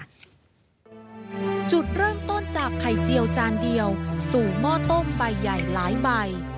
จุดเริ่มต้นจากไข่เจียวจานเดียวสู่หม้อต้มใบใหญ่หลายใบ